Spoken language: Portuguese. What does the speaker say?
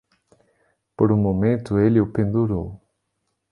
Por um momento ele o pendurou.